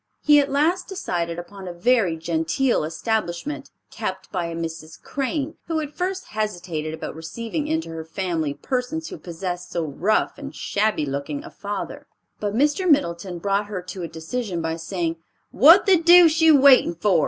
He at last decided upon a very genteel establishment, kept by a Mrs. Crane, who at first hesitated about receiving into her family persons who possessed so rough and shabby looking a father. But Mr. Middleton brought her to a decision by saying, "what the deuce you waiting for?